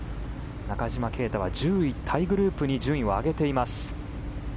中島啓太は１０位タイグループに順位を上げています。